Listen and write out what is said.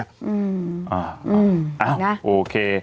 อ้าวโอเค